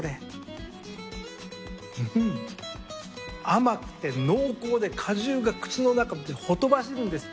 甘くて濃厚で果汁が口の中でほとばしるんです。